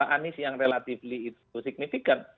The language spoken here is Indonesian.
anies yang relatifly itu signifikan